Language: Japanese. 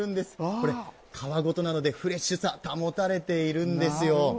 これ、皮ごとなのでフレッシュさ、保たれているんですよ。